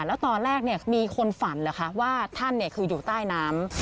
แล้วตอนแรกมีคนฝันเหรอคะว่าท่านคืออยู่ใต้น้ำ